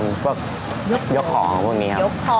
ยกของยกของพวกนี้ครับ